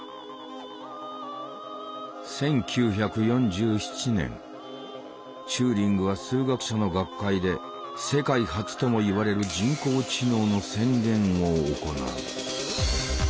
１９４７年チューリングは数学者の学会で世界初とも言われる人工知能の宣言を行う。